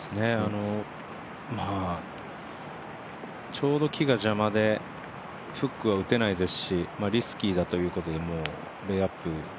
ちょうど木が邪魔でフックが打てないですしリスキーだということでレイアップ。